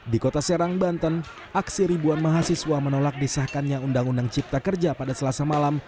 di kota serang banten aksi ribuan mahasiswa menolak disahkannya undang undang cipta kerja pada selasa malam